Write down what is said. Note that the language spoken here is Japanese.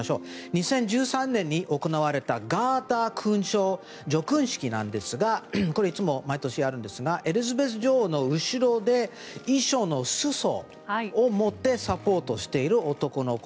２０１３年に行われたガーター勲章叙勲式なんですがこれはいつも毎年やるんですがエリザベス女王の後ろで衣装の裾を持ってサポートしている男の子。